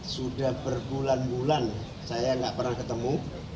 sudah berbulan bulan saya nggak pernah ketemu